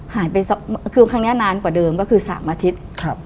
หายไปคือครั้งนี้นานกว่าเดิมก็คือ๓อาทิตย์